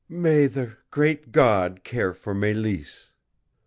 "May the great God care for Mélisse!"